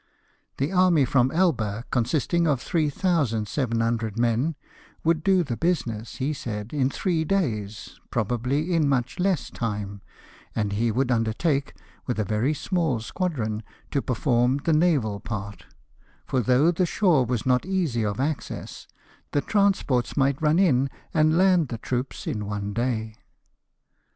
The army from Elba, con sisting of 3,700 men, would do the business, he said, in three days, probably in much less time ; and he would undertake, with a very small squadron, to perform the naval part ; for though the shore was not easy of access, the transports might run in and land the troops in one day.